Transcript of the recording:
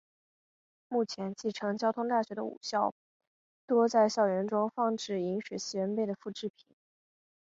目前继承交通大学的五校多在校园中放置饮水思源碑的复制品。